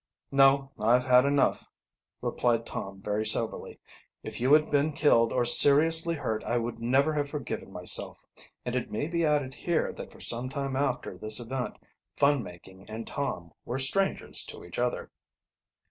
"No, I've had enough," replied Tom very soberly. "If you had been killed or seriously hurt I would never have forgiven myself." And it may be added here that for some time after this event fun making and Tom were strangers to each other.